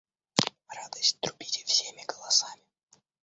Радость трубите всеми голосами!